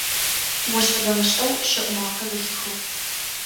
ОшӀэ-дэмышӀэу щэӀу макъэ зэхихыгъ.